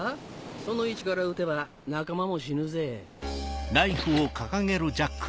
その位置から撃てば仲間も死ぬぜ。